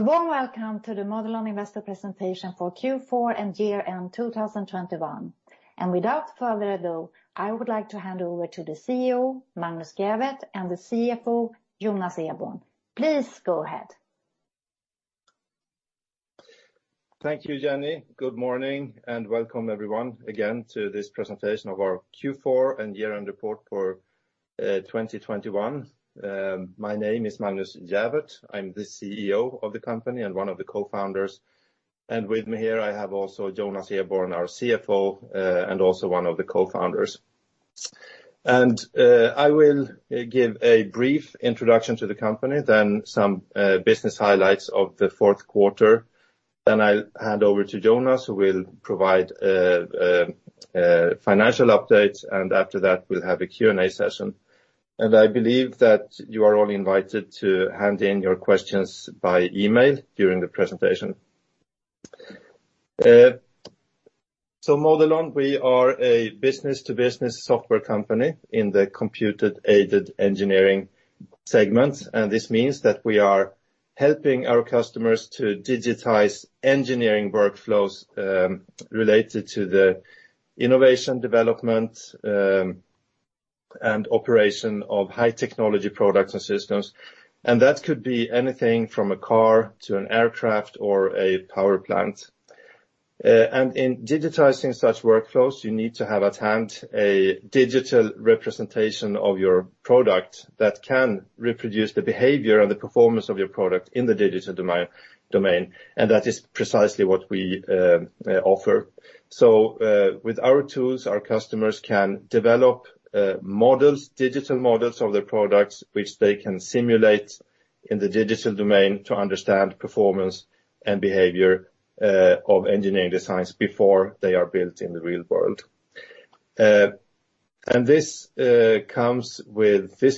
A warm welcome to the Modelon investor presentation for Q4 and year-end 2021. Without further ado, I would like to hand over to the CEO, Magnus Gäfgen, and the CFO, Jonas Eborn. Please go ahead. Thank you, Jenny. Good morning, and welcome everyone again to this presentation of our Q4 and year-end report for 2021. My name is Magnus Gäfgen. I'm the CEO of the company and one of the co-founders. I have also Jonas Eborn, our CFO, and also one of the co-founders. I will give a brief introduction to the company, then some business highlights of the Q4. I'll hand over to Jonas, who will provide financial updates, and after that, we'll have a Q&A session. I believe that you are all invited to hand in your questions by email during the presentation. Modelon, we are a business-to-business software company in the computer-aided engineering segment. This means that we are helping our customers to digitize engineering workflows, related to the innovation development, and operation of high technology products and systems. That could be anything from a car to an aircraft or a power plant. In digitizing such workflows, you need to have at hand a digital representation of your product that can reproduce the behavior and the performance of your product in the digital domain, and that is precisely what we offer. With our tools, our customers can develop models, digital models of their products, which they can simulate in the digital domain to understand performance and behavior of engineering designs before they are built in the real world. This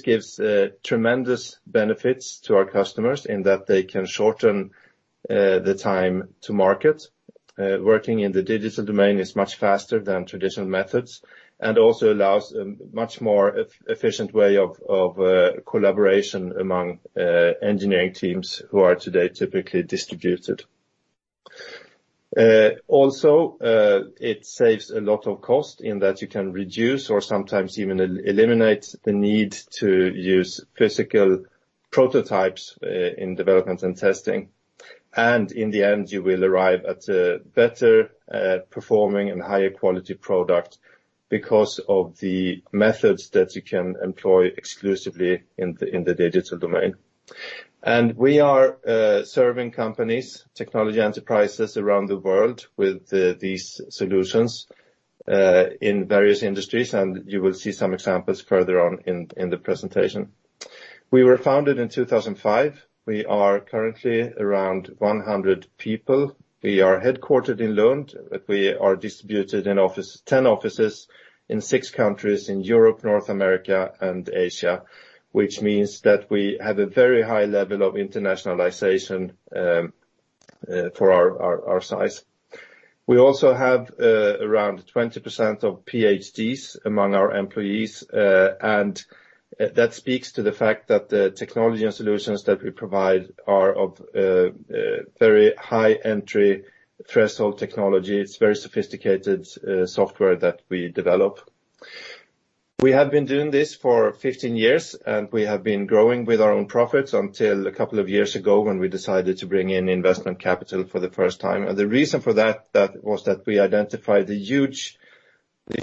gives tremendous benefits to our customers in that they can shorten the time to market. Working in the digital domain is much faster than traditional methods and also allows a much more efficient way of collaboration among engineering teams who are today typically distributed. It saves a lot of cost in that you can reduce or sometimes even eliminate the need to use physical prototypes in development and testing. In the end, you will arrive at a better performing and higher quality product because of the methods that you can employ exclusively in the digital domain. We are serving companies, technology enterprises around the world with these solutions in various industries, and you will see some examples further on in the presentation. We were founded in 2005. We are currently around 100 people. We are headquartered in Lund, but we are distributed in ten offices in six countries in Europe, North America, and Asia, which means that we have a very high level of internationalization for our size. We also have around 20% of PhDs among our employees, and that speaks to the fact that the technology and solutions that we provide are of very high entry threshold technology. It's very sophisticated software that we develop. We have been doing this for 15 years, and we have been growing with our own profits until a couple of years ago when we decided to bring in investment capital for the first time. The reason for that was that we identified the huge,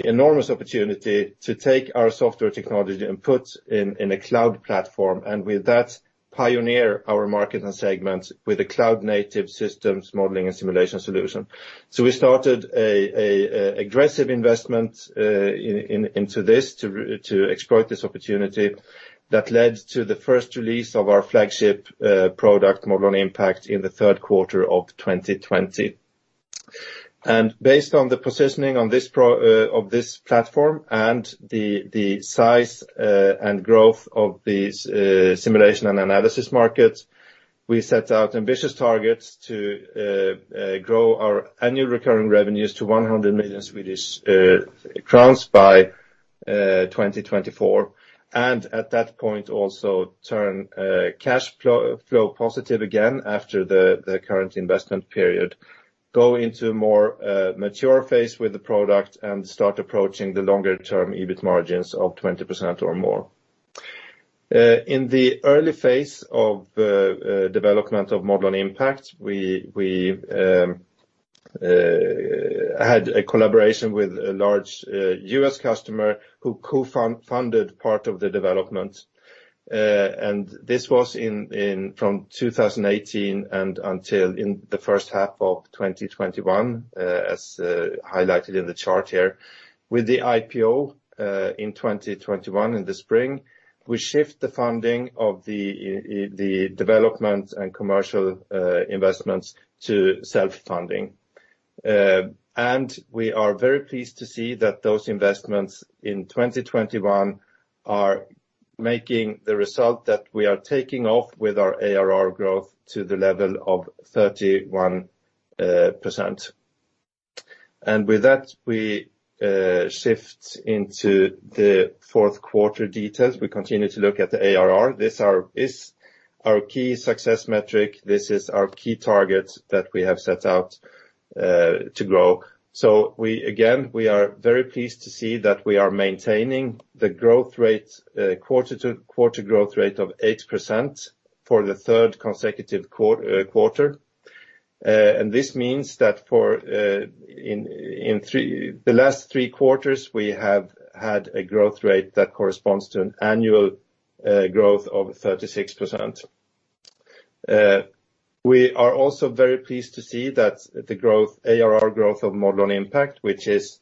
enormous opportunity to take our software technology and put it in a cloud platform, and with that, pioneer our market and segments with a cloud-native systems modeling and simulation solution. We started an aggressive investment into this to exploit this opportunity that led to the first release of our flagship product, Modelon Impact, in the Q3 of 2020. Based on the positioning of this platform and the size and growth of these simulation and analysis markets, we set out ambitious targets to grow our annual recurring revenues to 100 million Swedish crowns by 2024. At that point, also turn cash flow positive again after the current investment period, go into a more mature phase with the product and start approaching the longer-term EBIT margins of 20% or more. In the early phase of development of Modelon Impact, we had a collaboration with a large U.S. customer who cofounded part of the development. This was from 2018 until the first half of 2021, as highlighted in the chart here. With the IPO in 2021 in the spring, we shift the funding of the development and commercial investments to self-funding. We are very pleased to see that those investments in 2021 are making the result that we are taking off with our ARR growth to the level of 31%. With that, we shift into the Q4 details. We continue to look at the ARR. This is our key success metric. This is our key target that we have set out to grow. We again are very pleased to see that we are maintaining the growth rate, quarter to quarter growth rate of 8% for the third consecutive quarter. This means that in the last three quarters, we have had a growth rate that corresponds to an annual growth of 36%. We are also very pleased to see that the growth, ARR growth of Modelon Impact, which is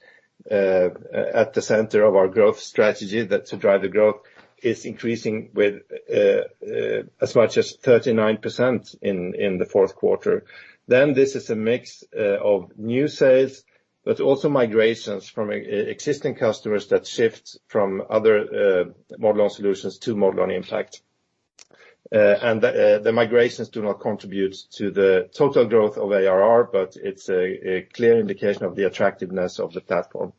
at the center of our growth strategy to drive the growth, is increasing with as much as 39% in the Q4. This is a mix of new sales, but also migrations from existing customers that shift from other Modelon solutions to Modelon Impact. The migrations do not contribute to the total growth of ARR, but it's a clear indication of the attractiveness of the platform.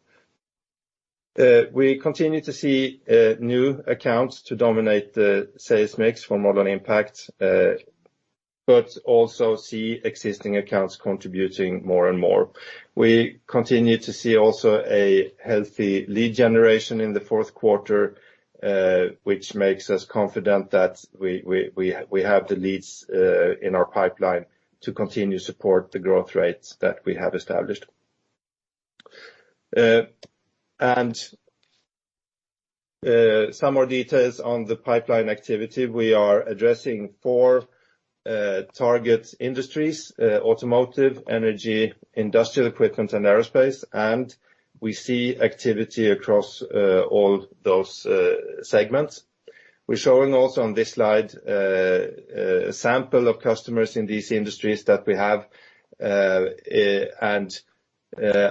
We continue to see new accounts to dominate the sales mix for Modelon Impact but also see existing accounts contributing more and more. We continue to see also a healthy lead generation in the Q4, which makes us confident that we have the leads in our pipeline to continue to support the growth rates that we have established. Some more details on the pipeline activity, we are addressing four target industries, automotive, energy, industrial equipment, and aerospace, and we see activity across all those segments. We're showing also on this slide a sample of customers in these industries that we have.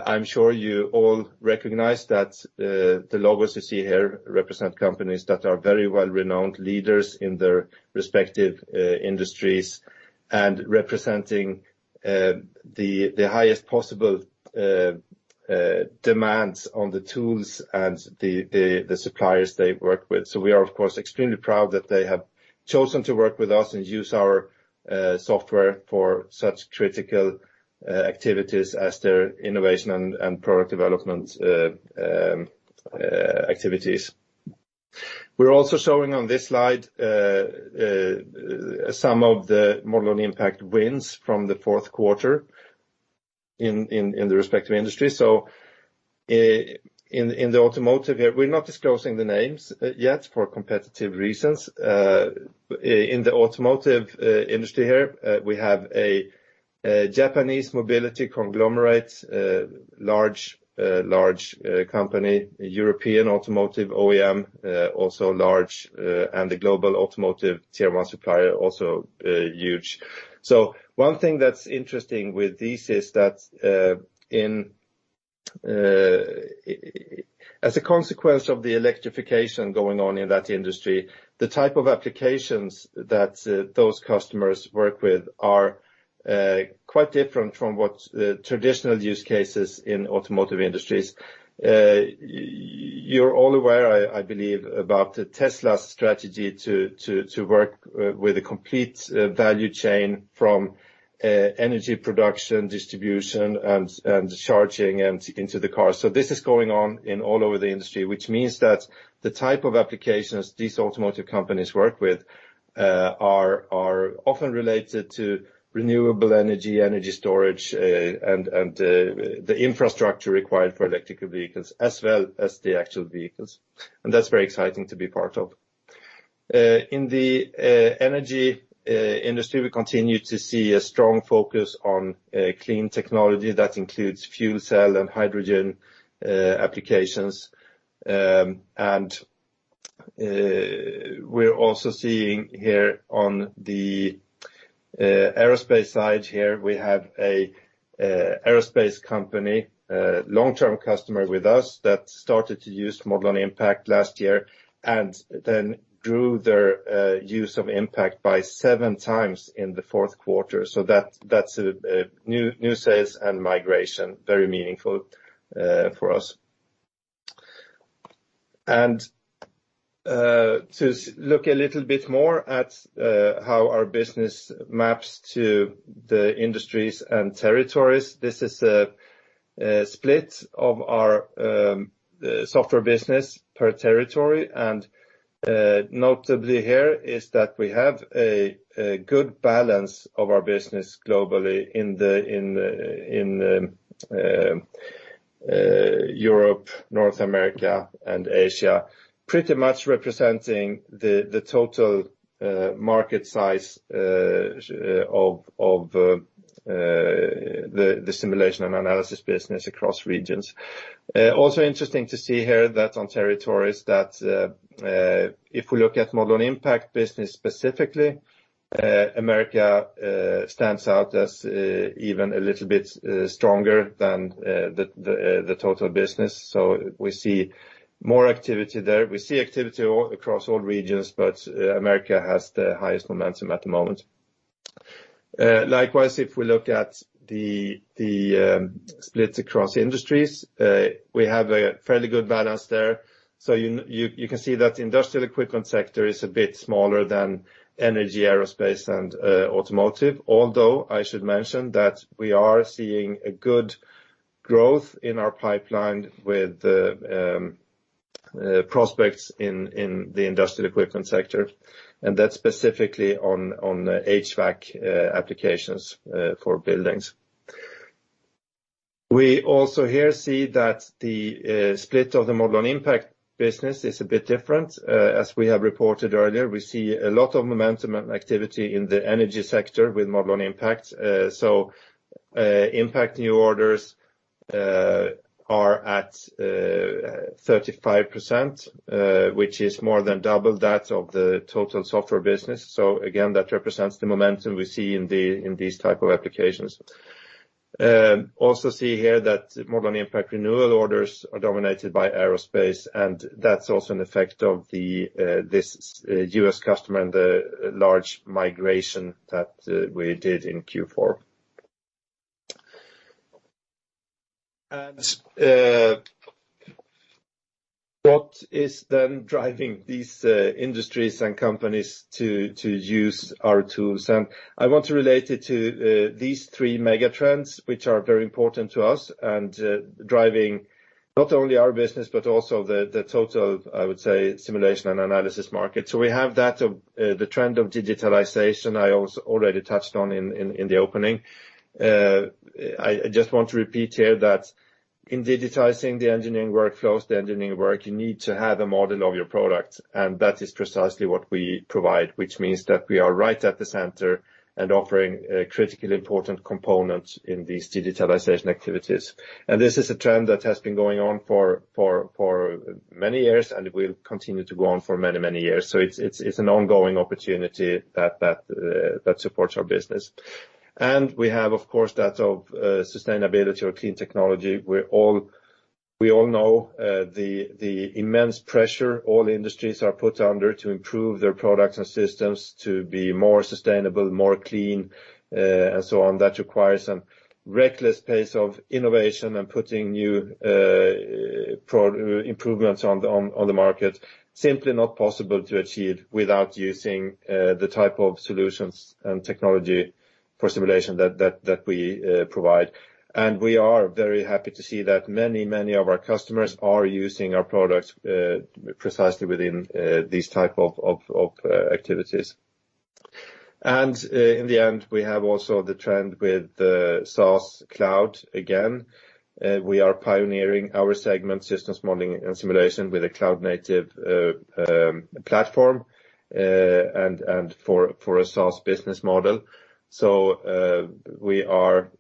I'm sure you all recognize that the logos you see here represent companies that are very well renowned leaders in their respective industries and representing the highest possible demands on the tools and the suppliers they work with. We are of course extremely proud that they have chosen to work with us and use our software for such critical activities as their innovation and product development activities. We're also showing on this slide some of the Modelon Impact wins from the Q4 in the respective industry. In the automotive here, we're not disclosing the names yet for competitive reasons. In the automotive industry here, we have a Japanese mobility conglomerate, large company, a European automotive OEM, also large, and a global automotive T1 supplier, also huge. One thing that's interesting with this is that as a consequence of the electrification going on in that industry, the type of applications that those customers work with are quite different from what the traditional use cases in automotive industries. You're all aware, I believe, about the Tesla strategy to work with a complete value chain from energy production, distribution, and charging and into the car. This is going on all over the industry, which means that the type of applications these automotive companies work with are often related to renewable energy storage, and the infrastructure required for electric vehicles as well as the actual vehicles. That's very exciting to be part of. In the energy industry, we continue to see a strong focus on clean technology that includes fuel cell and hydrogen applications. We're also seeing here on the aerospace side here, we have a aerospace company long-term customer with us that started to use Modelon Impact last year and then grew their use of Impact by 7x in the Q4. That's a new sales and migration, very meaningful for us. To look a little bit more at how our business maps to the industries and territories, this is a split of our software business per territory, and notably here is that we have a good balance of our business globally in Europe, North America, and Asia, pretty much representing the total market size of the simulation and analysis business across regions. Also interesting to see here that on territories that if we look at Modelon Impact business specifically, America stands out as even a little bit stronger than the total business. We see more activity there. We see activity all across all regions, but America has the highest momentum at the moment. Likewise, if we look at the splits across industries, we have a fairly good balance there. You can see that the industrial equipment sector is a bit smaller than energy, aerospace, and automotive. Although I should mention that we are seeing a good growth in our pipeline with the prospects in the industrial equipment sector, and that's specifically on HVAC applications for buildings. We also here see that the split of the Modelon Impact business is a bit different. As we have reported earlier, we see a lot of momentum and activity in the energy sector with Modelon Impact. Impact new orders are at 35%, which is more than double that of the total software business. Again, that represents the momentum we see in these type of applications. Also see here that Modelon Impact renewal orders are dominated by aerospace, and that's also an effect of this U.S. customer and the large migration that we did in Q4. What is then driving these industries and companies to use our tools? I want to relate it to these three mega trends, which are very important to us and driving not only our business, but also the total, I would say, simulation and analysis market. We have that of the trend of digitalization I already touched on in the opening. I just want to repeat here that in digitizing the engineering workflows, the engineering work, you need to have a model of your product, and that is precisely what we provide, which means that we are right at the center and offering a critically important component in these digitalization activities. This is a trend that has been going on for many years, and it will continue to go on for many years. It's an ongoing opportunity that supports our business. We have, of course, that of sustainability or clean technology. We all know the immense pressure all industries are put under to improve their products and systems to be more sustainable, more clean, and so on. That requires a reckless pace of innovation and putting new improvements on the market. Simply not possible to achieve without using the type of solutions and technology for simulation that we provide. We are very happy to see that many of our customers are using our products precisely within these type of activities. In the end, we have also the trend with the SaaS Cloud. Again, we are pioneering our segment systems modeling and simulation with a cloud-native platform and for a SaaS business model. We are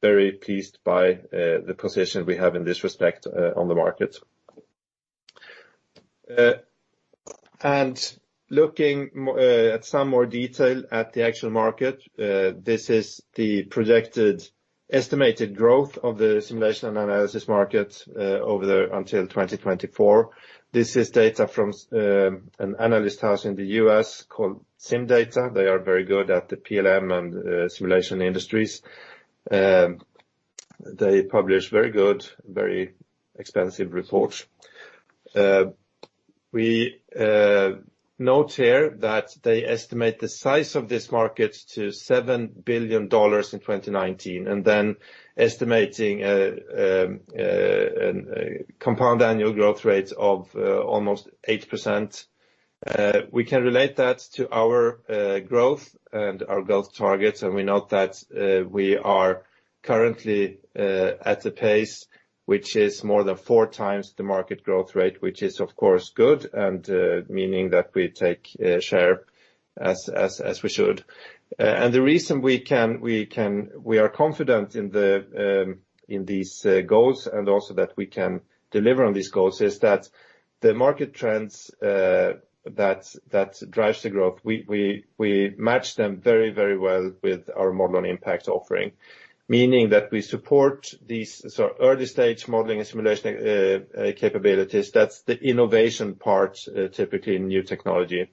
very pleased by the position we have in this respect on the market. Looking at some more detail at the actual market, this is the projected estimated growth of the simulation and analysis market until 2024. This is data from an analyst house in the U.S. called CIMdata. They are very good at the PLM and simulation industries. They publish very good, very expensive reports. We note here that they estimate the size of this market to $7 billion in 2019 and then estimating a compound annual growth rate of almost 8%. We can relate that to our growth and our growth targets, and we note that we are currently at a pace which is more than 4x the market growth rate, which is of course good and meaning that we take share as we should. The reason we are confident in these goals and also that we can deliver on these goals is that the market trends that drives the growth we match very, very well with our Modelon Impact offering. Meaning that we support these early-stage modeling and simulation capabilities. That's the innovation part, typically in new technology.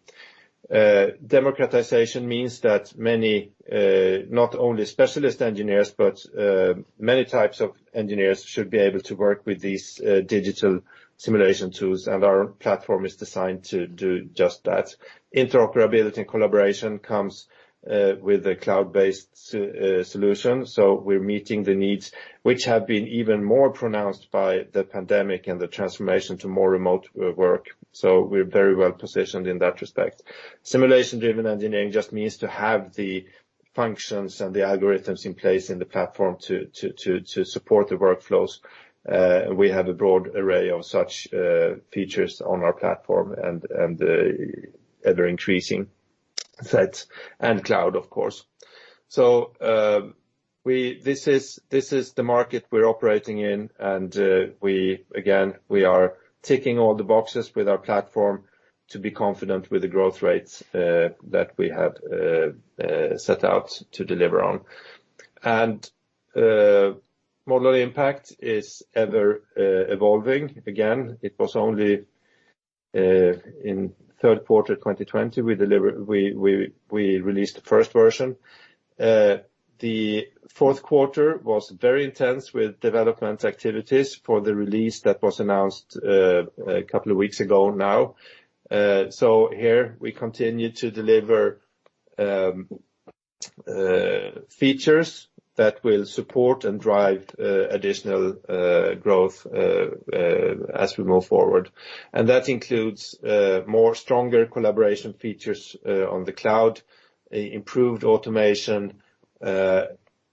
Democratization means that many, not only specialist engineers, but many types of engineers should be able to work with these digital simulation tools, and our platform is designed to do just that. Interoperability and collaboration comes with a cloud-based solution. We're meeting the needs which have been even more pronounced by the pandemic and the transformation to more remote work. We're very well positioned in that respect. Simulation-driven engineering just means to have the functions and the algorithms in place in the platform to support the workflows. We have a broad array of such features on our platform and ever-increasing sets and cloud, of course. This is the market we're operating in, and we are ticking all the boxes with our platform to be confident with the growth rates that we have set out to deliver on. Modelon Impact is ever evolving. It was only in Q3 2020 we released the first version. The Q4 was very intense with development activities for the release that was announced a couple of weeks ago now. Here we continue to deliver features that will support and drive additional growth as we move forward. That includes more stronger collaboration features on the cloud, improved automation.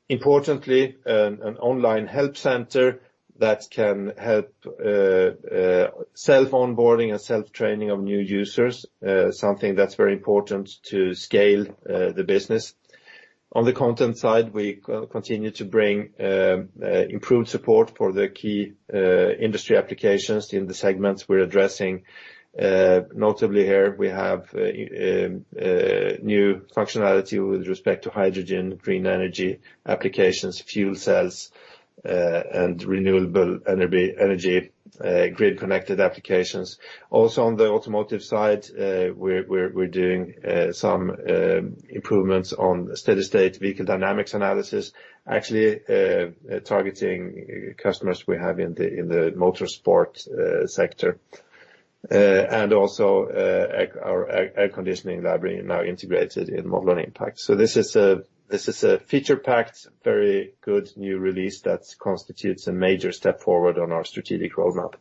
Importantly, an online help center that can help self-onboarding and self-training of new users, something that's very important to scale the business. On the content side, we continue to bring improved support for the key industry applications in the segments we're addressing. Notably here, we have new functionality with respect to hydrogen, green energy applications, fuel cells, and renewable energy grid-connected applications. Also on the automotive side, we're doing some improvements on steady state vehicle dynamics analysis, actually, targeting customers we have in the motorsport sector. Also, our Air Conditioning Library now integrated in Modelon Impact. This is a feature-packed, very good new release that constitutes a major step forward on our strategic roadmap.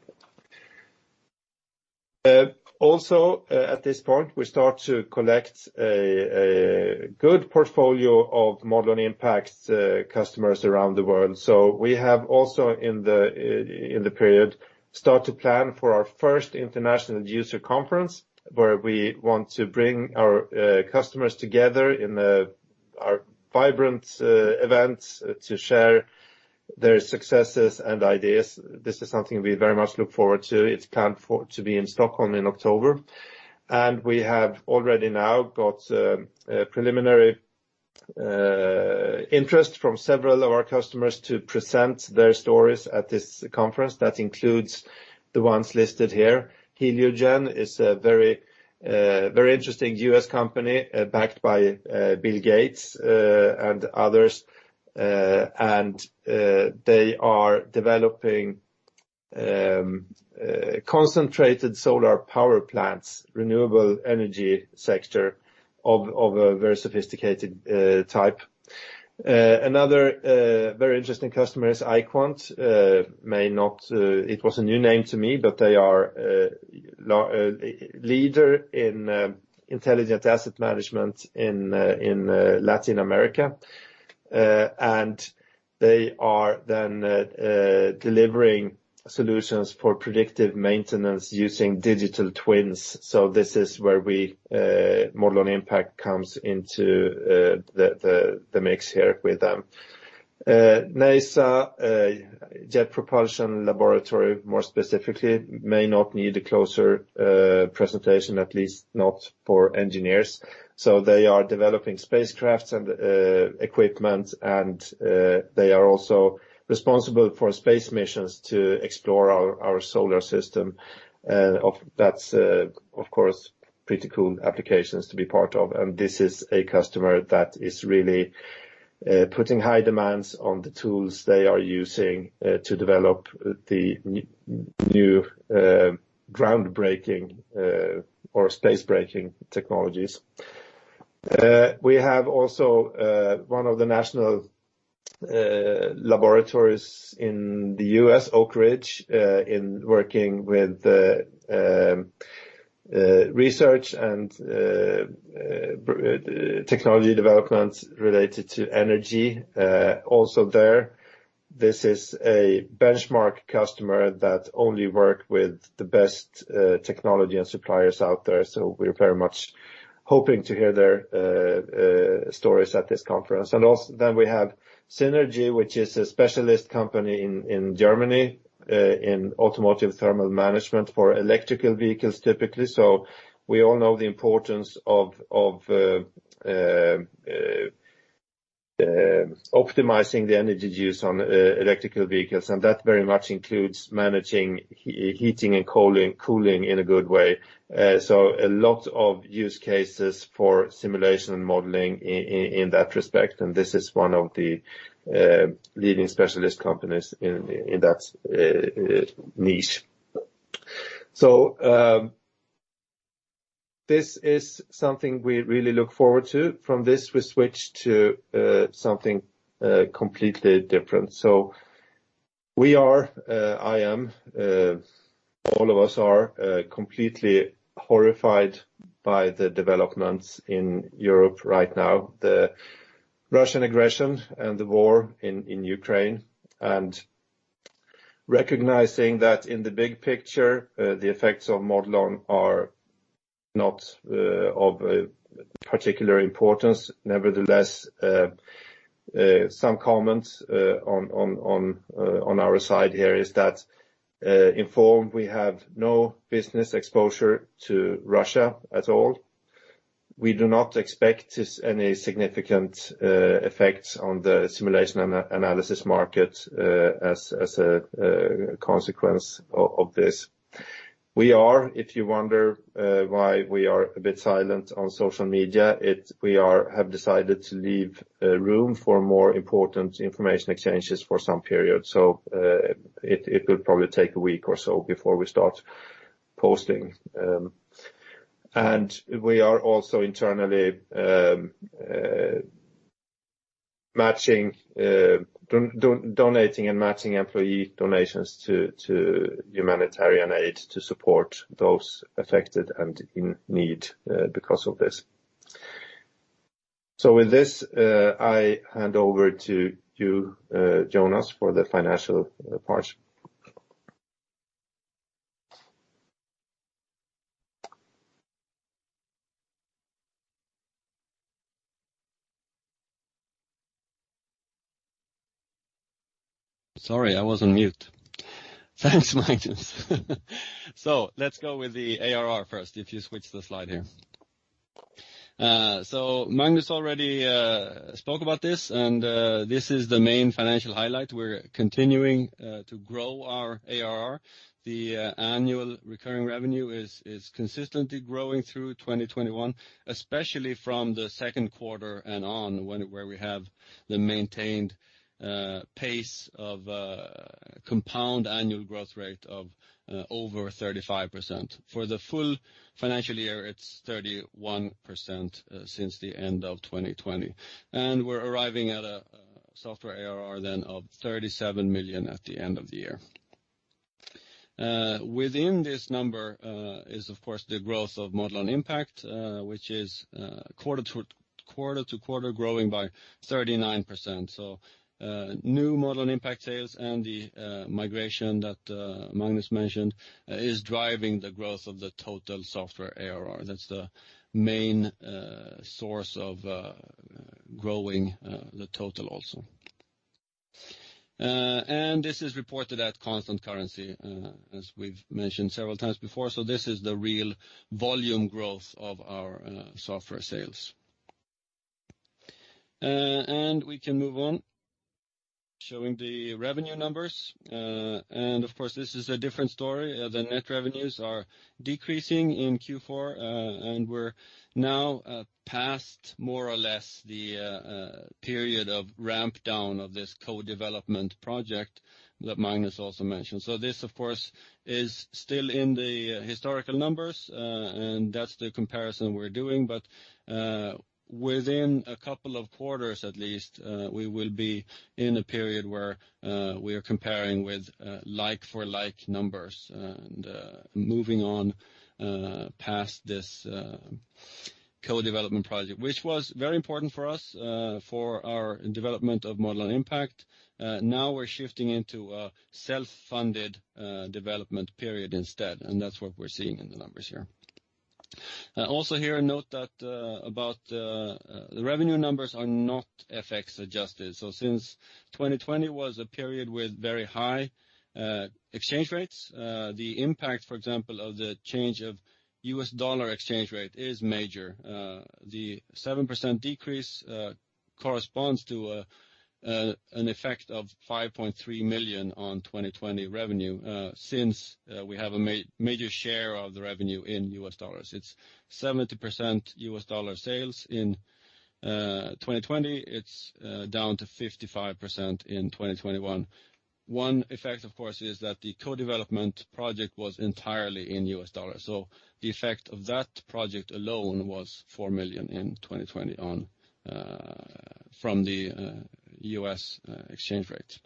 Also, at this point, we start to collect a good portfolio of Modelon Impact's customers around the world. We have also in the period started to plan for our first international user conference, where we want to bring our customers together in our vibrant event to share their successes and ideas. This is something we very much look forward to. It's planned to be in Stockholm in October. We have already now got preliminary interest from several of our customers to present their stories at this conference. That includes the ones listed here. Heliogen is a very interesting U.S. company backed by Bill Gates and others. They are developing concentrated solar power plants, renewable energy sector of a very sophisticated type. Another very interesting customer is iQUANT. It was a new name to me, but they are a leader in intelligent asset management in Latin America. They are then delivering solutions for predictive maintenance using digital twins. This is where Modelon Impact comes into the mix here with them. NASA Jet Propulsion Laboratory, more specifically, may not need a closer presentation, at least not for engineers. They are developing spacecrafts and equipment, and they are also responsible for space missions to explore our solar system. That's, of course, pretty cool applications to be part of. This is a customer that is really putting high demands on the tools they are using to develop the new groundbreaking or spacebreaking technologies. We have also one of the national laboratories in the U.S., Oak Ridge National Laboratory, working with the research and technology development related to energy also there. This is a benchmark customer that only work with the best technology and suppliers out there. We're very much hoping to hear their stories at this conference. We have SynErgy, which is a specialist company in Germany in automotive thermal management for electric vehicles, typically. We all know the importance of optimizing the energy use on electric vehicles, and that very much includes managing heating and cooling in a good way. A lot of use cases for simulation and modeling in that respect, and this is one of the leading specialist companies in that niche. This is something we really look forward to. From this, we switch to something completely different. We are all completely horrified by the developments in Europe right now, the Russian aggression and the war in Ukraine, and recognizing that in the big picture, the effects of Modelon are not of particular importance. Nevertheless, some comments on our side here is that, in form, we have no business exposure to Russia at all. We do not expect any significant effects on the simulation analysis market as a consequence of this. We are, if you wonder why we are a bit silent on social media, we have decided to leave room for more important information exchanges for some period. It will probably take a week or so before we start posting. We are also internally donating and matching employee donations to humanitarian aid to support those affected and in need because of this. With this, I hand over to you, Jonas, for the financial part. Sorry, I was on mute. Thanks, Magnus. Let's go with the ARR first, if you switch the slide here. Magnus already spoke about this, and this is the main financial highlight. We're continuing to grow our ARR. The annual recurring revenue is consistently growing through 2021, especially from the Q2 and on, where we have the maintained pace of compound annual growth rate of over 35%. For the full financial year, it's 31% since the end of 2020. We're arriving at a software ARR then of 37 million at the end of the year. Within this number is of course the growth of Modelon Impact, which is quarter to quarter growing by 39%. New Modelon Impact sales and the migration that Magnus mentioned is driving the growth of the total software ARR. That's the main source of growing the total also. This is reported at constant currency, as we've mentioned several times before. This is the real volume growth of our software sales. We can move on, showing the revenue numbers. Of course, this is a different story. The net revenues are decreasing in Q4, and we're now past more or less the period of ramp down of this co-development project that Magnus also mentioned. This of course is still in the historical numbers, and that's the comparison we're doing. Within a couple of quarters at least, we will be in a period where we are comparing with like-for-like numbers, and moving on past this co-development project, which was very important for us for our development of Modelon Impact. Now we're shifting into a self-funded development period instead, and that's what we're seeing in the numbers here. Also here note that about the revenue numbers are not FX adjusted. Since 2020 was a period with very high exchange rates, the impact, for example, of the change of US dollar exchange rate is major. The 7% decrease corresponds to an effect of $5.3 million on 2020 revenue, since we have a major share of the revenue in US dollars. It's 70% US dollar sales in 2020. It's down to 55% in 2021. One effect of course is that the co-development project was entirely in US dollars. The effect of that project alone was 4 million in 2020 from the US exchange rate.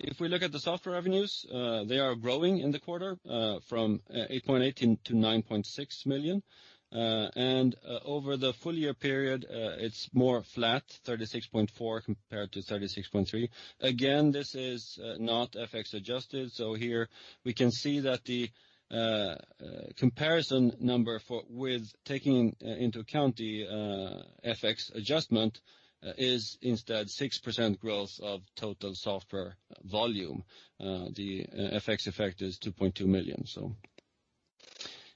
If we look at the software revenues, they are growing in the quarter from 8.8 million to 9.6 million. Over the full year period, it's more flat, 36.4 million compared to 36.3 million. Again, this is not FX adjusted, so here we can see that the comparison number with taking into account the FX adjustment is instead 6% growth of total software volume. The FX effect is 2.2 million.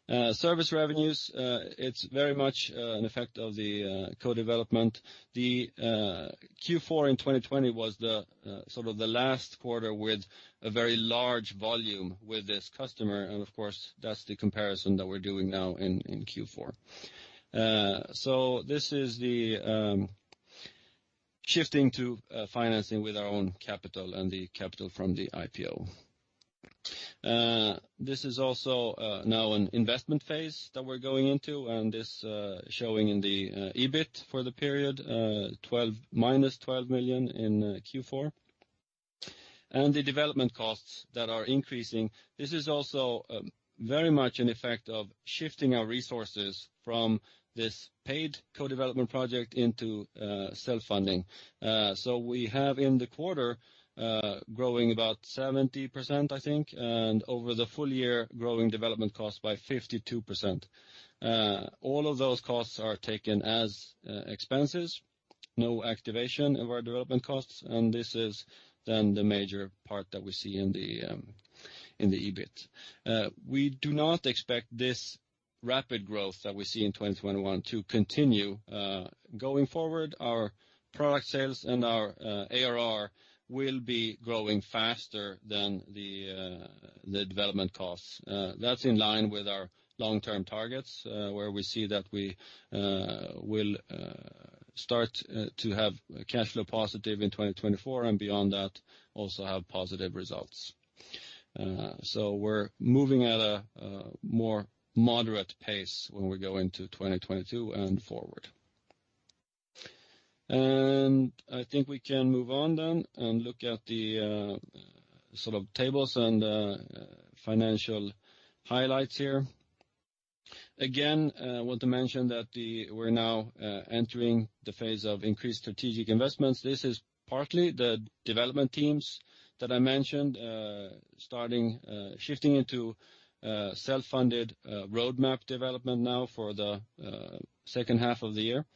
Service revenues, it's very much an effect of the co-development. Q4 in 2020 was sort of the last quarter with a very large volume with this customer, and of course that's the comparison that we're doing now in Q4. This is the shifting to financing with our own capital and the capital from the IPO. This is also now an investment phase that we're going into and is showing in the EBIT for the period, -12 million in Q4. The development costs that are increasing, this is also very much an effect of shifting our resources from this paid co-development project into self-funding. We have in the quarter growing about 70%, I think, and over the full year, growing development costs by 52%. All of those costs are taken as expenses. No activation of our development costs, and this is then the major part that we see in the EBIT. We do not expect this rapid growth that we see in 2021 to continue going forward. Our product sales and our ARR will be growing faster than the development costs. That's in line with our long-term targets, where we see that we will start to have cash flow positive in 2024, and beyond that, also have positive results. We're moving at a more moderate pace when we go into 2022 and forward. I think we can move on then and look at the sort of tables and financial highlights here. Again, I want to mention we're now entering the phase of increased strategic investments. This is partly the development teams that I mentioned starting shifting into self-funded roadmap development now for the H2 of the year.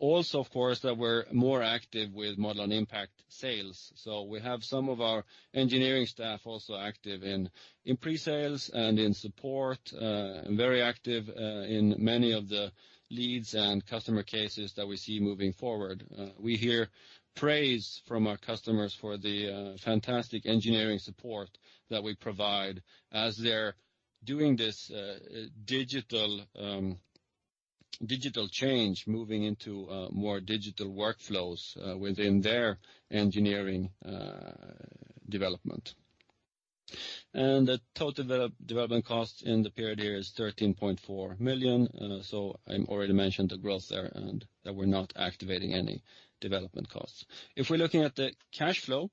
Also, of course, that we're more active with Modelon Impact sales. We have some of our engineering staff also active in pre-sales and in support and very active in many of the leads and customer cases that we see moving forward. We hear praise from our customers for the fantastic engineering support that we provide as they're doing this digital change, moving into more digital workflows within their engineering development. The total development cost in the period here is 13.4 million. I already mentioned the growth there and that we're not activating any development costs. If we're looking at the cash flow,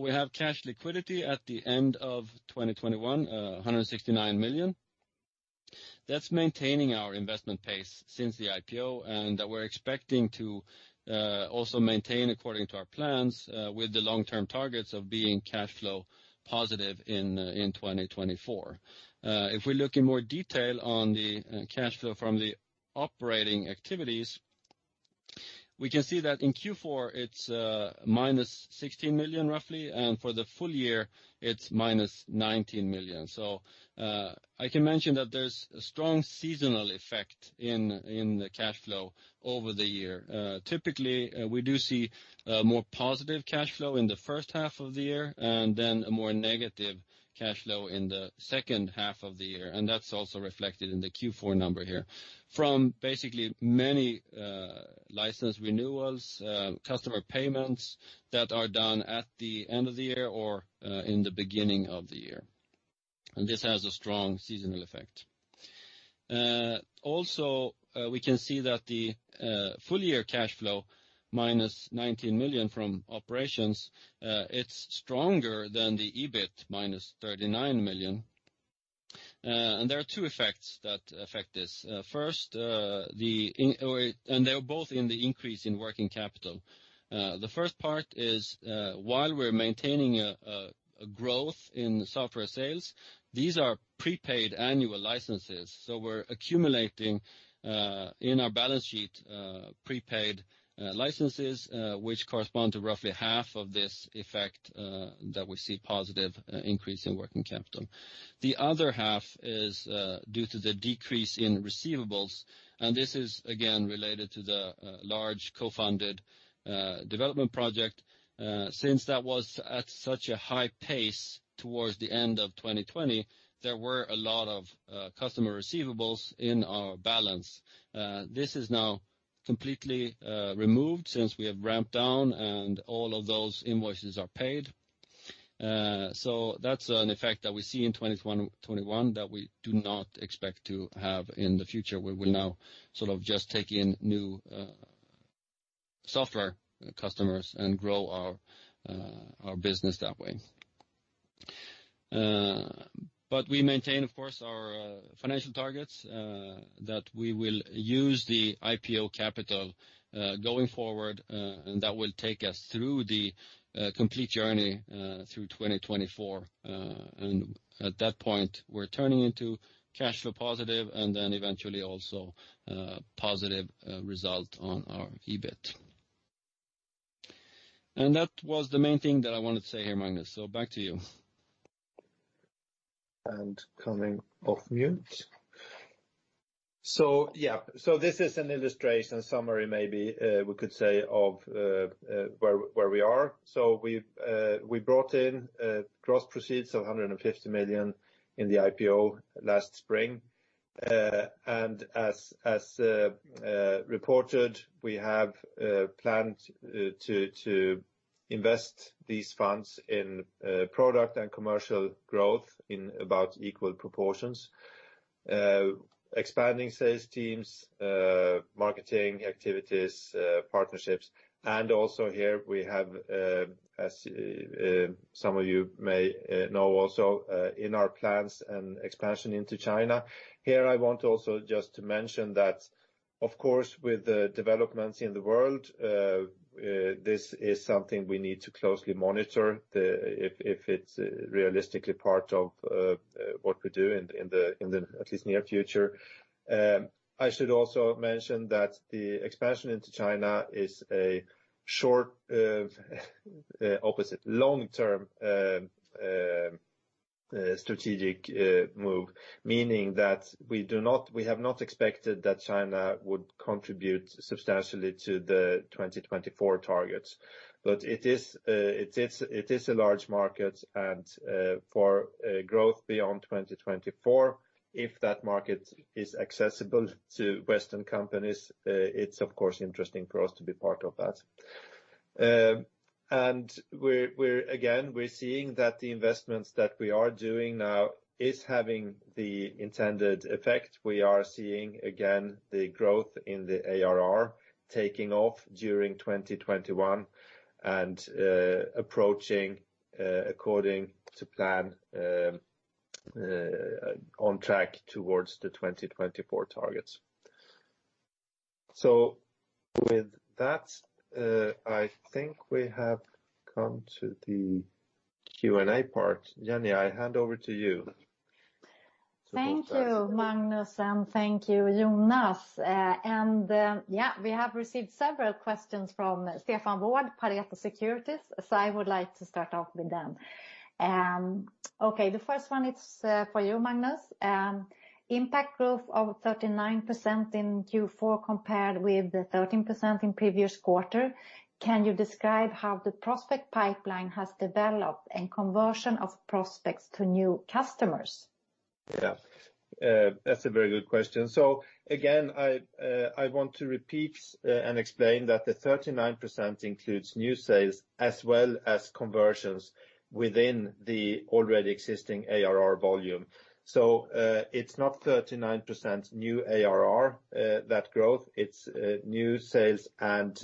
we have cash liquidity at the end of 2021, 169 million. That's maintaining our investment pace since the IPO, and that we're expecting to also maintain according to our plans, with the long-term targets of being cash flow positive in 2024. If we look in more detail on the cash flow from the operating activities, we can see that in Q4, it's -16 million roughly, and for the full year, it's -19 million. I can mention that there's a strong seasonal effect in the cash flow over the year. Typically, we do see more positive cash flow in the H1 of the year and then a more negative cash flow in the H2 of the year. That's also reflected in the Q4 number here from basically many license renewals, customer payments that are done at the end of the year or in the beginning of the year. This has a strong seasonal effect. Also, we can see that the full-year cash flow -19 million from operations, it's stronger than the EBIT -39 million. There are two effects that affect this. First, they're both in the increase in working capital. The first part is while we're maintaining a growth in software sales, these are prepaid annual licenses. We're accumulating in our balance sheet prepaid licenses which correspond to roughly half of this effect that we see positive increase in working capital. The other half is due to the decrease in receivables, and this is again related to the large co-funded development project. Since that was at such a high pace towards the end of 2020, there were a lot of customer receivables in our balance. This is now completely removed since we have ramped down and all of those invoices are paid. That's an effect that we see in 2021 that we do not expect to have in the future. We will now sort of just take in new software customers and grow our business that way. We maintain, of course, our financial targets that we will use the IPO capital going forward, and that will take us through the complete journey through 2024. At that point, we're turning into cash flow positive and then eventually also positive result on our EBIT. That was the main thing that I wanted to say here, Magnus, so back to you. Yeah, this is an illustration summary, maybe we could say of where we are. We've brought in gross proceeds of 150 million in the IPO last spring. As reported, we have planned to invest these funds in product and commercial growth in about equal proportions, expanding sales teams, marketing activities, partnerships. Also here we have, as some of you may know also, in our plans an expansion into China. Here, I want to also just mention that of course, with the developments in the world, this is something we need to closely monitor, if it's realistically part of what we do in the at least near future. I should also mention that the expansion into China is a short- to long-term strategic move, meaning that we have not expected that China would contribute substantially to the 2024 targets. It is a large market and for growth beyond 2024, if that market is accessible to Western companies, it's of course interesting for us to be part of that. We're seeing again that the investments that we are doing now is having the intended effect. We are seeing the growth in the ARR taking off during 2021 and approaching according to plan on track towards the 2024 targets. With that, I think we have come to the Q&A part. Jenny, I hand over to you. Thank you, Magnus, and thank you, Jonas. We have received several questions from Stefan Wård, Pareto Securities, so I would like to start off with them. The first one is for you, Magnus. Impact growth of 39% in Q4 compared with the 13% in previous quarter. Can you describe how the prospect pipeline has developed and conversion of prospects to new customers? Yeah. That's a very good question. Again, I want to repeat and explain that the 39% includes new sales as well as conversions within the already existing ARR volume. It's not 39% new ARR that growth; it's new sales and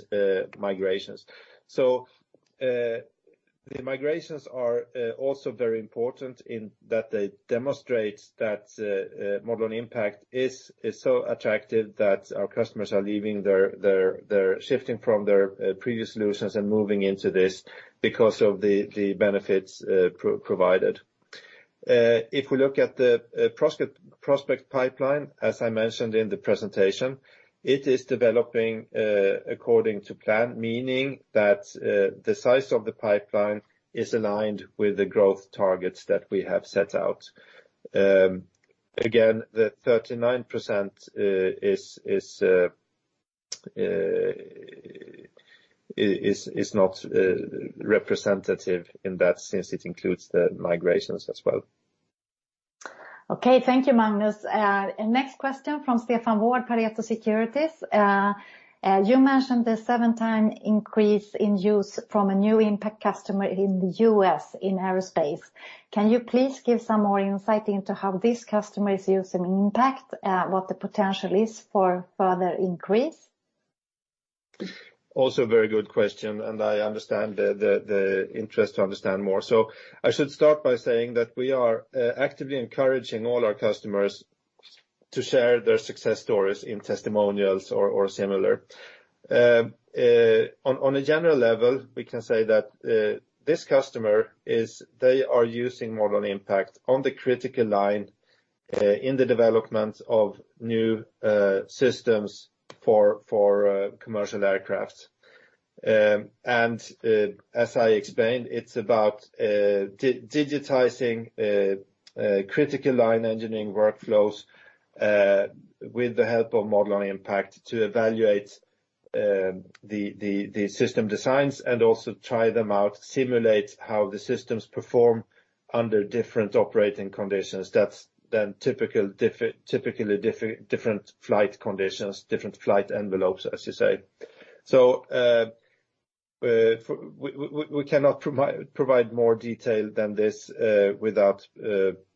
migrations. The migrations are also very important in that they demonstrate that Modelon Impact is so attractive that our customers are leaving their shifting from their previous solutions and moving into this because of the benefits provided. If we look at the prospect pipeline, as I mentioned in the presentation, it is developing according to plan, meaning that the size of the pipeline is aligned with the growth targets that we have set out. Again, the 39% is not representative in that sense since it includes the migrations as well. Okay. Thank you, Magnus. Next question from Stefan Wård, Pareto Securities. You mentioned the seven-time increase in use from a new Impact customer in the U.S. in aerospace. Can you please give some more insight into how this customer is using Impact, what the potential is for further increase? Also a very good question, and I understand the interest to understand more. I should start by saying that we are actively encouraging all our customers to share their success stories in testimonials or similar. On a general level, we can say that this customer, they are using Modelon Impact on the critical line in the development of new systems for commercial aircraft. As I explained, it's about digitizing critical line engineering workflows with the help of Modelon Impact to evaluate the system designs and also try them out, simulate how the systems perform under different operating conditions. That's then typically different flight conditions, different flight envelopes, as you say. We cannot provide more detail than this without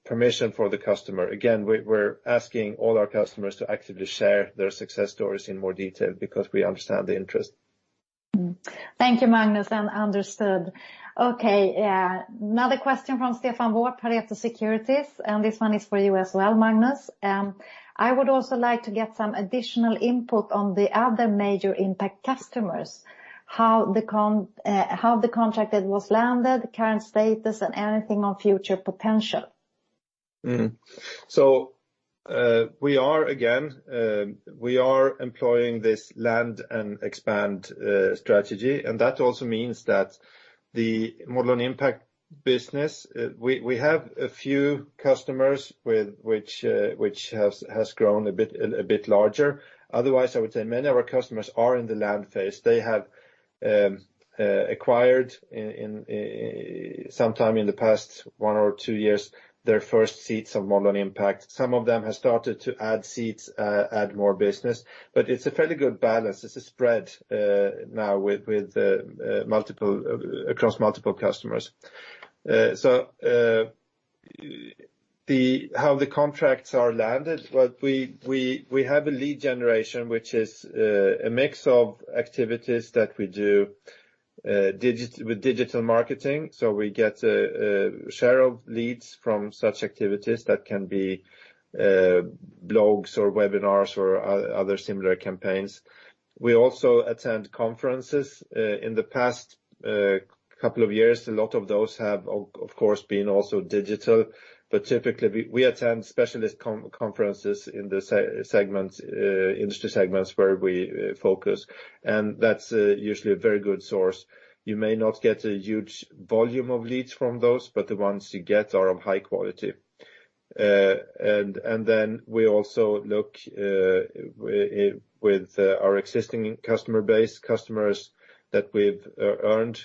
permission for the customer. Again, we're asking all our customers to actively share their success stories in more detail because we understand the interest. Thank you, Magnus, and understood. Okay, another question from Stefan Wård, Pareto Securities, and this one is for you as well, Magnus. I would also like to get some additional input on the other major Impact customers, how the contract that was landed, current status, and anything on future potential. We are employing this land-and-expand strategy, and that also means that the Modelon Impact business, we have a few customers with which has grown a bit larger. Otherwise, I would say many of our customers are in the land phase. They have acquired sometime in the past one or two years their first seats of Modelon Impact. Some of them have started to add seats, add more business. But it's a fairly good balance. It's a spread now across multiple customers. How the contracts are landed, well, we have a lead generation, which is a mix of activities that we do with digital marketing. We get a share of leads from such activities that can be blogs or webinars or other similar campaigns. We also attend conferences. In the past couple of years, a lot of those have of course been also digital. But typically, we attend specialist conferences in the industry segments where we focus. That's usually a very good source. You may not get a huge volume of leads from those, but the ones you get are of high quality. Then we also look with our existing customer base, customers that we've earned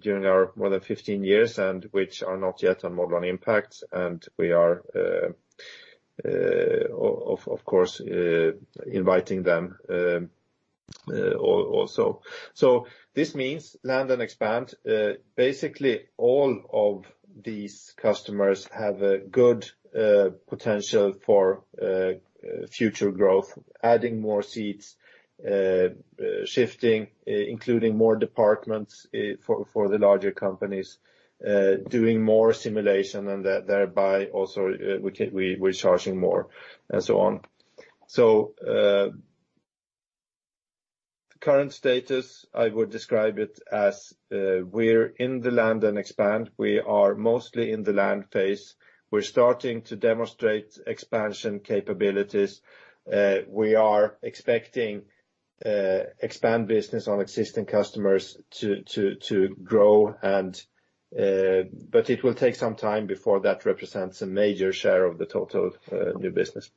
during our more than 15 years and which are not yet on Modelon Impact, and we are, of course, inviting them also. This means land and expand. Basically, all of these customers have a good potential for future growth, adding more seats, shifting, including more departments for the larger companies, doing more simulation, and thereby also we're charging more and so on. The current status, I would describe it as we're in the land and expand. We are mostly in the land phase. We're starting to demonstrate expansion capabilities. We are expecting expand business on existing customers to grow, but it will take some time before that represents a major share of the total new business.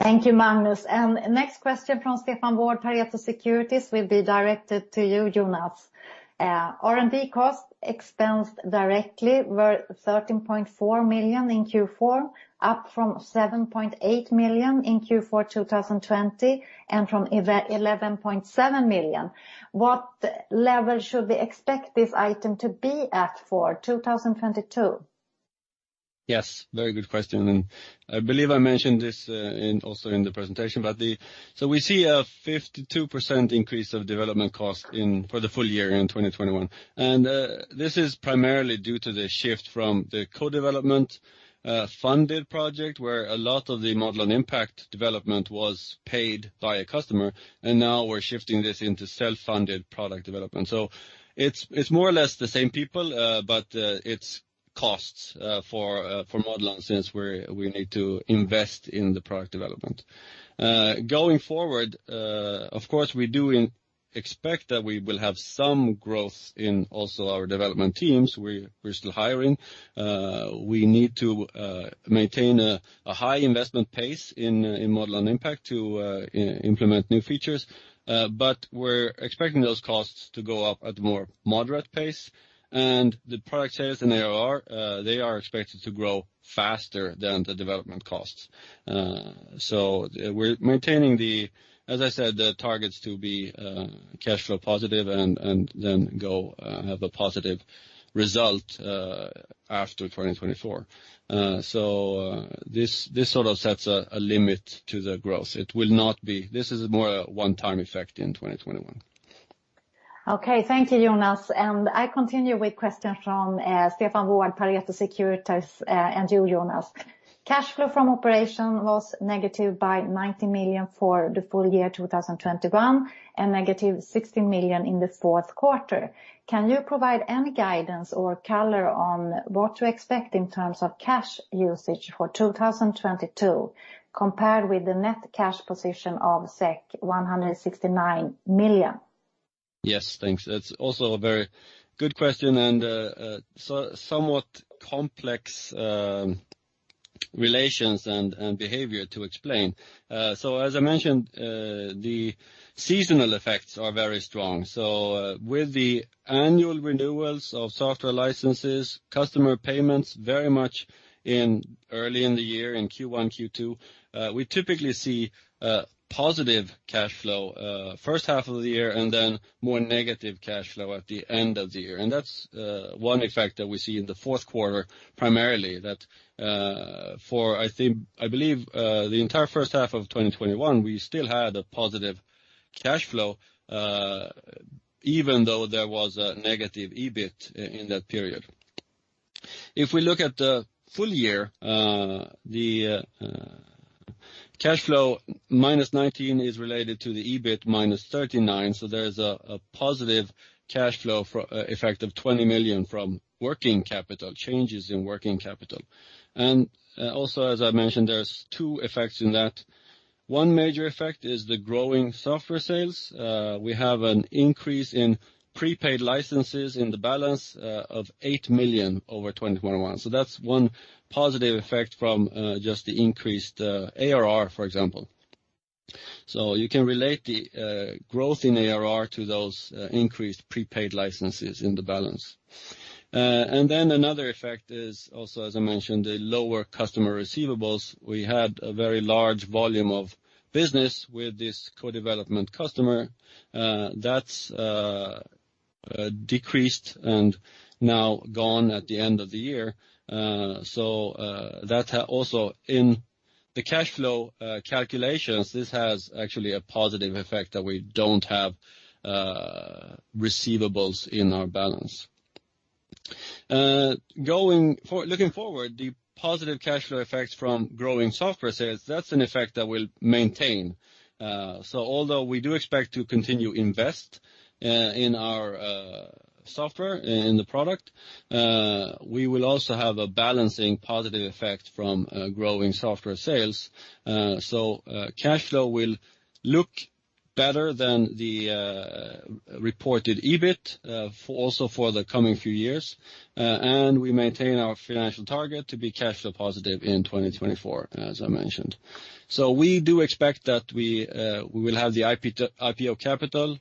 Thank you, Magnus. Next question from Stefan Wård, Pareto Securities, will be directed to you, Jonas. R&D cost expense directly were 13.4 million in Q4, up from 7.8 million in Q4 2020 and from 11.7 million. What level should we expect this item to be at for 2022? Yes, very good question. I believe I mentioned this also in the presentation. We see a 52% increase of development cost for the full year in 2021. This is primarily due to the shift from the co-development funded project, where a lot of the Modelon Impact development was paid by a customer, and now we're shifting this into self-funded product development. So it's more or less the same people, but it's costs for Modelon since we need to invest in the product development. Going forward, of course, we do expect that we will have some growth in also our development teams. We're still hiring. We need to maintain a high investment pace in Modelon Impact to implement new features, but we're expecting those costs to go up at a more moderate pace. The product sales and ARR, they are expected to grow faster than the development costs. We're maintaining, as I said, the targets to be cash flow positive and then go have a positive result after 2024. This sort of sets a limit to the growth. This is more a one-time effect in 2021. Okay, thank you, Jonas. I continue with question from Stefan Wård, Pareto Securities, and you, Jonas. Cash flow from operations was negative by 90 million for the full year 2021 and negative 60 million in the Q4. Can you provide any guidance or color on what to expect in terms of cash usage for 2022 compared with the net cash position of 169 million? Yes, thanks. That's also a very good question and somewhat complex relations and behavior to explain. As I mentioned, the seasonal effects are very strong. With the annual renewals of software licenses, customer payments very much early in the year in Q1, Q2, we typically see a positive cash flow first half of the year and then more negative cash flow at the end of the year. That's one effect that we see in the Q4, primarily that for, I believe, the entire first half of 2021, we still had a positive cash flow, even though there was a negative EBIT in that period. If we look at the full year, the cash flow -19 million is related to the EBIT -39 million. There is a positive cash flow effect of 20 million from working capital, changes in working capital. As I mentioned, there's two effects in that. One major effect is the growing software sales. We have an increase in prepaid licenses in the balance of 8 million over 2021. That's one positive effect from just the increased ARR, for example. You can relate the growth in ARR to those increased prepaid licenses in the balance. Another effect is also, as I mentioned, the lower customer receivables. We had a very large volume of business with this co-development customer. That's decreased and now gone at the end of the year. That also, in the cash flow calculations, this has actually a positive effect that we don't have receivables in our balance. Looking forward, the positive cash flow effects from growing software sales, that's an effect that will maintain. Although we do expect to continue invest in our software, in the product, we will also have a balancing positive effect from growing software sales. Cash flow will look Better than the reported EBIT, also for the coming few years. We maintain our financial target to be cash flow positive in 2024, as I mentioned. We do expect that we will have the IPO capital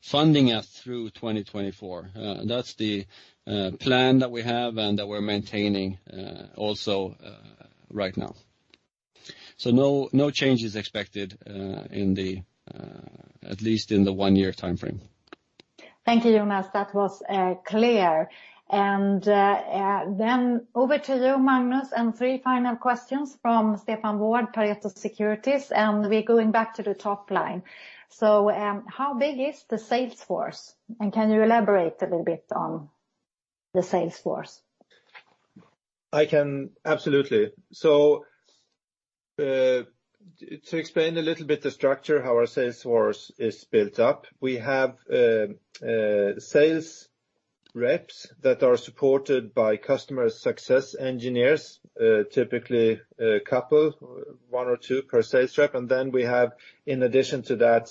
funding us through 2024. That's the plan that we have and that we're maintaining also right now. No change is expected at least in the one-year timeframe. Thank you, Jonas. That was clear. Over to you, Magnus, and three final questions from Stefan Wård, Pareto Securities, and we're going back to the top line. How big is the sales force, and can you elaborate a little bit on the sales force? I can absolutely. To explain a little bit the structure, how our sales force is built up, we have sales reps that are supported by customer success engineers, typically a couple, one or two per sales rep. We have, in addition to that,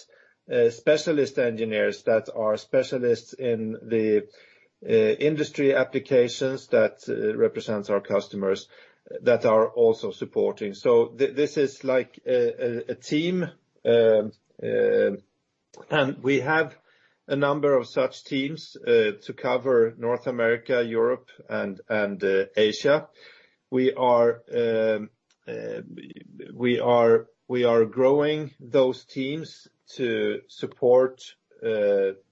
specialist engineers that are specialists in the industry applications that represents our customers that are also supporting. This is like a team, and we have a number of such teams to cover North America, Europe, and Asia. We are growing those teams to support the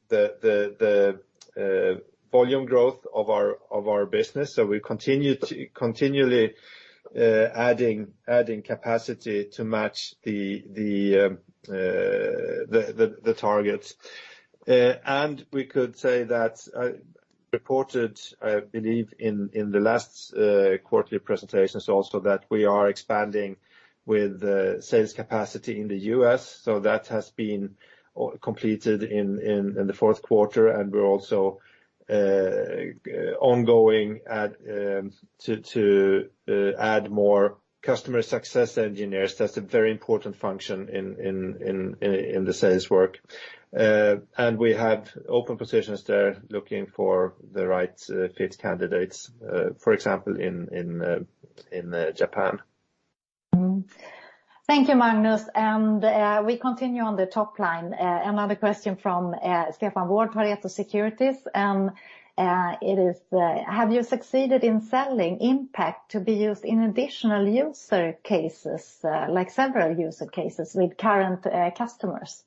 volume growth of our business. We continue to continually adding capacity to match the targets. We could say that, reported, I believe, in the last quarterly presentation, is also that we are expanding with the sales capacity in the U.S. That has been completed in the Q4, and we're also ongoing to add more customer success engineers. That's a very important function in the sales work. We have open positions there looking for the right fit candidates, for example, in Japan. Mm-hmm. Thank you, Magnus. We continue on the top line. Another question from Stefan Wård, Pareto Securities. It is, have you succeeded in selling Impact to be used in additional use cases, like several use cases with current customers?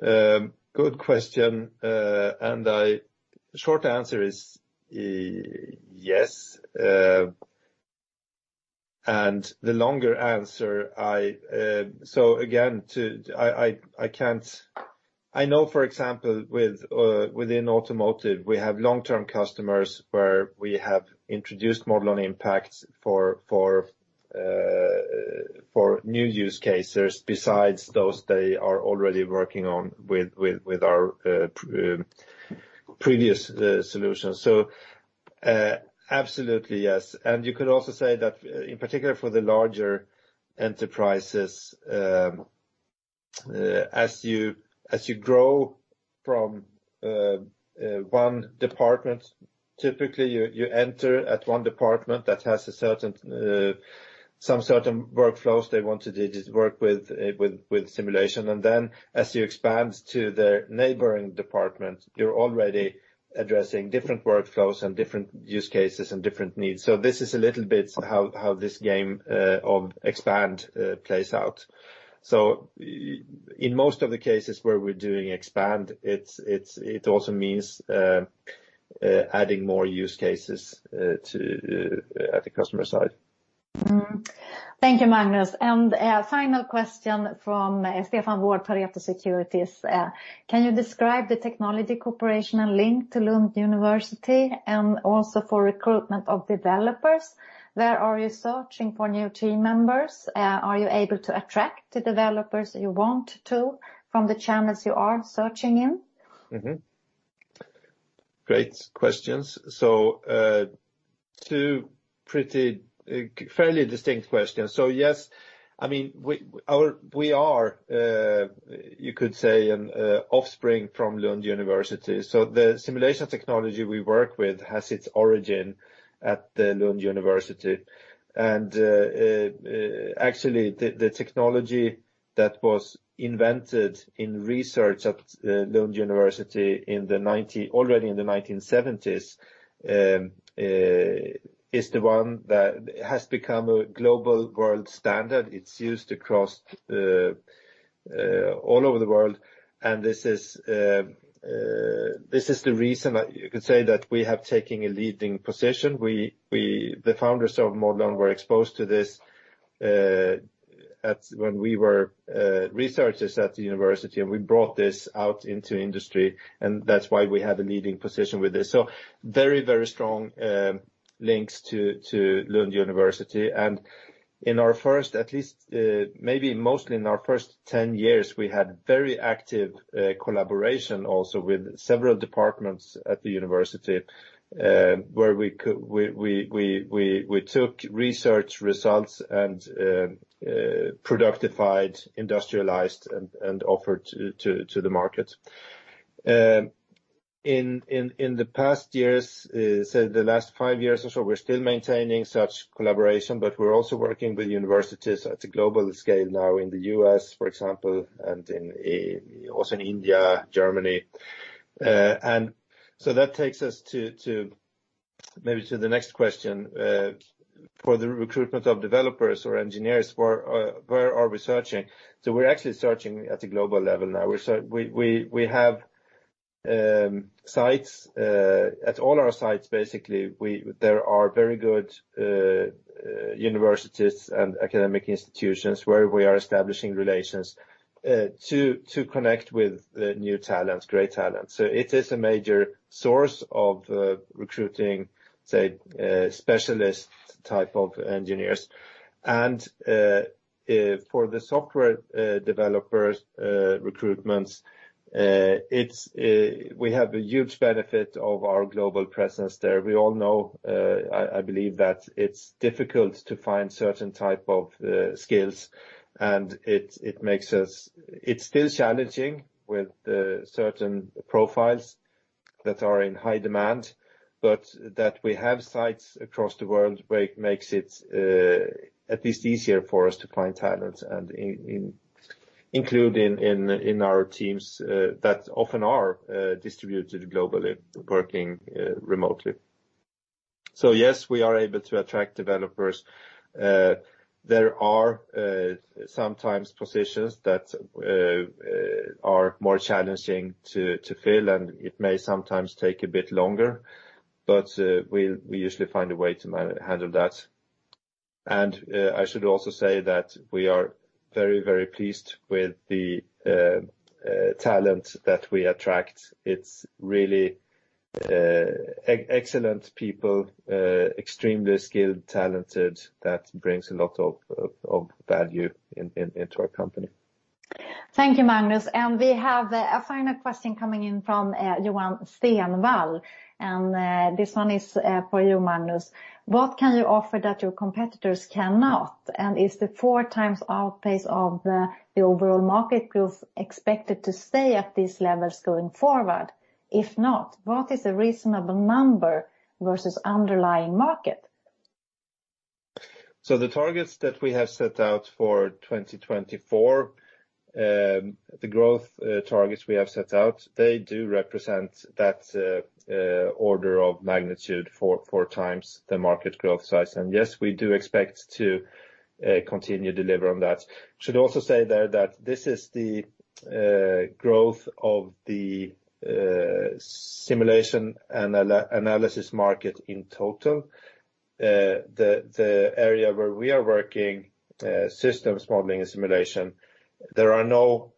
Good question. Short answer is, yes. The longer answer, again, I know, for example, within automotive, we have long-term customers where we have introduced Modelon Impact for new use cases besides those they are already working on with our previous solutions. Absolutely, yes. You could also say that in particular for the larger enterprises, as you grow from one department, typically you enter at one department that has certain workflows they want to just work with simulation. As you expand to the neighboring department, you are already addressing different workflows and different use cases and different needs. This is a little bit how this game of expand plays out. In most of the cases where we're doing expand, it also means adding more use cases to the customer side. Thank you, Magnus. A final question from Stefan Wård, Pareto Securities. Can you describe the technology cooperation and link to Lund University and also for recruitment of developers? Where are you searching for new team members? Are you able to attract the developers you want to from the channels you are searching in? Great questions. Two pretty fairly distinct questions. Yes, I mean, we are, you could say, an offspring from Lund University. The simulation technology we work with has its origin at the Lund University. Actually, the technology that was invented in research at Lund University in the 1970s is the one that has become a global world standard. It's used across all over the world. This is the reason you could say that we have taken a leading position. The founders of Modelon were exposed to this when we were researchers at the university, and we brought this out into industry, and that's why we have a leading position with this. Very strong links to Lund University. In our first, at least, maybe mostly in our first 10 years, we had very active collaboration also with several departments at the university, where we took research results and productified, industrialized, and offered to the market. In the past years, say the last five years or so, we're still maintaining such collaboration, but we're also working with universities at a global scale now in the U.S., for example, and in India, Germany. That takes us to maybe to the next question for the recruitment of developers or engineers, where are we searching? We're actually searching at a global level now. We have sites at all our sites, basically. There are very good universities and academic institutions where we are establishing relations to connect with the new talents, great talents. It is a major source of recruiting, say, specialist type of engineers. For the software developers recruitments, it's we have a huge benefit of our global presence there. We all know, I believe that it's difficult to find certain type of skills. It's still challenging with certain profiles that are in high demand, but that we have sites across the world where it makes it at least easier for us to find talent and including in our teams that often are distributed globally, working remotely. Yes, we are able to attract developers. There are sometimes positions that are more challenging to fill, and it may sometimes take a bit longer, but we usually find a way to handle that. I should also say that we are very, very pleased with the talent that we attract. It's really excellent people, extremely skilled, talented, that brings a lot of value into our company. Thank you, Magnus. We have a final question coming in from Johan Stenvall, and this one is for you, Magnus. What can you offer that your competitors cannot? Is the 4x outpace of the overall market growth expected to stay at these levels going forward? If not, what is a reasonable number versus underlying market? The targets that we have set out for 2024, the growth targets we have set out, they do represent that order of magnitude for 4x the market growth size. Yes, we do expect to continue to deliver on that. I should also say there that this is the growth of the simulation analysis market in total. The area where we are working, systems modeling and simulation, there are no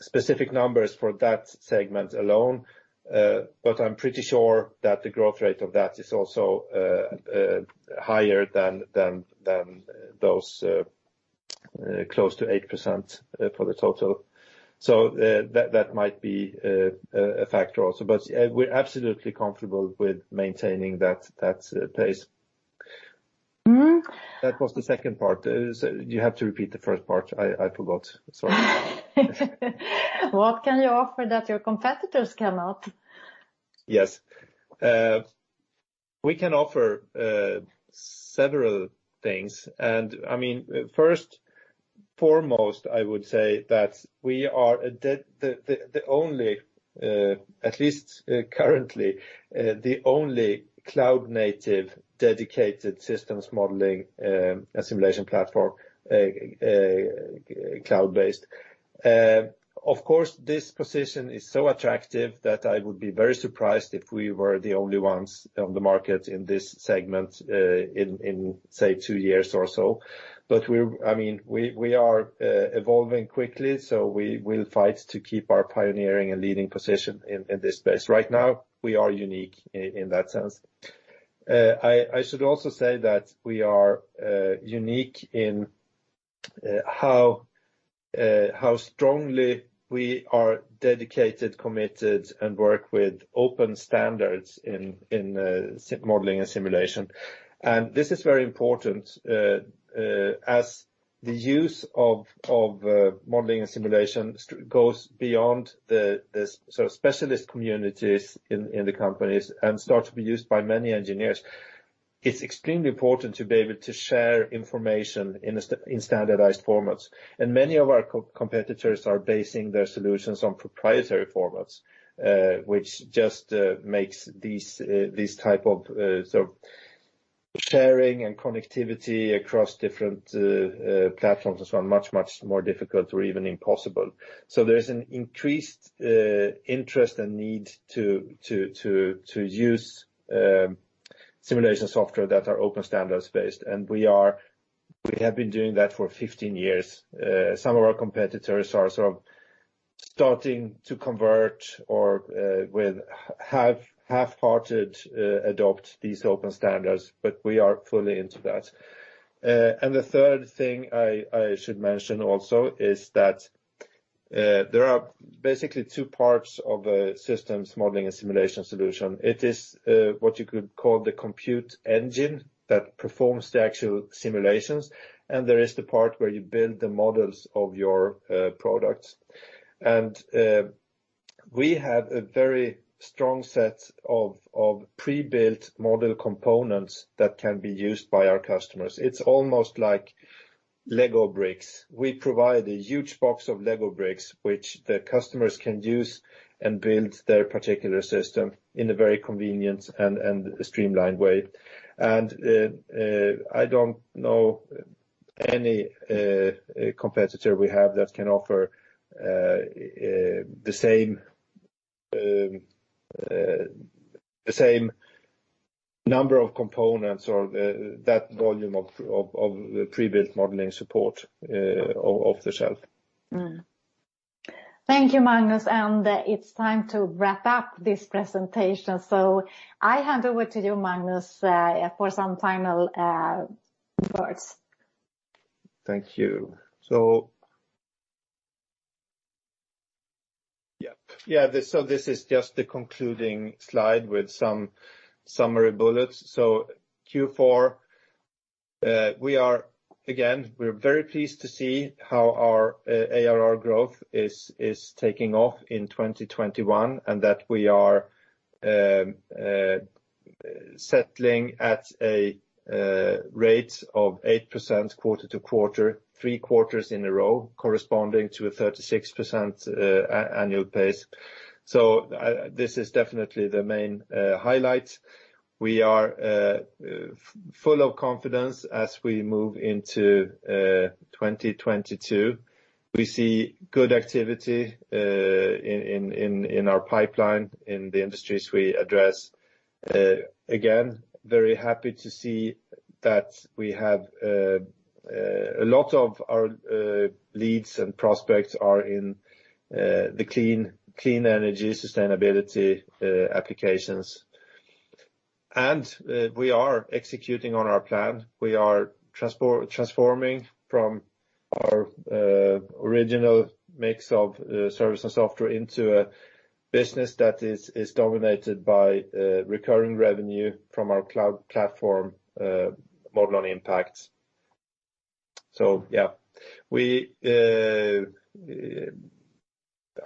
specific numbers for that segment alone, but I'm pretty sure that the growth rate of that is also higher than those close to 8% for the total. That might be a factor also. We're absolutely comfortable with maintaining that pace. Mm-hmm. That was the second part. You have to repeat the first part. I forgot. Sorry. What can you offer that your competitors cannot? Yes. We can offer several things. I mean, first, foremost, I would say that we are the only, at least currently, cloud-native dedicated systems modeling and simulation platform, cloud-based. Of course, this position is so attractive that I would be very surprised if we were the only ones on the market in this segment, in say two years or so. I mean, we are evolving quickly, so we will fight to keep our pioneering and leading position in this space. Right now, we are unique in that sense. I should also say that we are unique in how strongly we are dedicated, committed, and work with open standards in modeling and simulation. This is very important, as the use of modeling and simulation goes beyond the sort of specialist communities in the companies and start to be used by many engineers. It's extremely important to be able to share information in standardized formats. Many of our competitors are basing their solutions on proprietary formats, which just makes these type of sort of sharing and connectivity across different platforms as well, much more difficult or even impossible. There is an increased interest and need to use simulation software that are open standards based. We have been doing that for 15 years. Some of our competitors are sort of starting to convert or with half-hearted adopt these open standards, but we are fully into that. The third thing I should mention also is that there are basically two parts of a systems modeling and simulation solution. It is what you could call the compute engine that performs the actual simulations. There is the part where you build the models of your products. We have a very strong set of pre-built model components that can be used by our customers. It's almost like LEGO bricks. We provide a huge box of LEGO bricks which the customers can use and build their particular system in a very convenient and streamlined way. I don't know any competitor we have that can offer the same number of components or that volume of pre-built modeling support off-the-shelf. Thank you, Magnus. It's time to wrap up this presentation. I hand over to you, Magnus, for some final thoughts. Thank you. This is just the concluding slide with some summary bullets. Q4, we are again very pleased to see how our ARR growth is taking off in 2021, and that we are settling at a rate of 8% quarter to quarter, three quarters in a row, corresponding to a 36% annual pace. This is definitely the main highlight. We are full of confidence as we move into 2022. We see good activity in our pipeline in the industries we address. Again, very happy to see that we have a lot of our leads and prospects are in the clean energy sustainability applications. We are executing on our plan. We are transforming from our original mix of service and software into a business that is dominated by recurring revenue from our cloud platform, Modelon Impact. Yeah.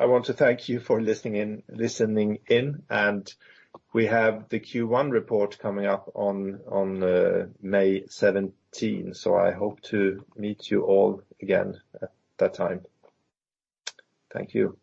I want to thank you for listening in, and we have the Q1 report coming up on May 17. I hope to meet you all again at that time. Thank you.